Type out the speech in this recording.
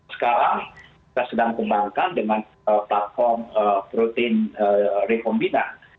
sekarang kita sedang kembangkan dengan platform protein rekombinan